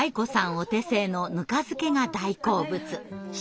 お手製のぬか漬けが大好物。